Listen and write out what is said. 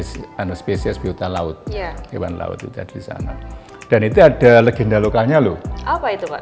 itu spesies hibyota laut hewan laut itu tadi di sana dan itu ada legenda lokalnya loh apa itu